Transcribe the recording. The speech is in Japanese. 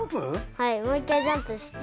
はいもう１かいジャンプして。